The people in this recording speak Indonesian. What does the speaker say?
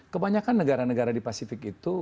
kebanyakan negara negara di pasifik itu